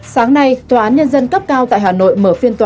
sáng nay tòa án nhân dân cấp cao tại hà nội mở phiên tòa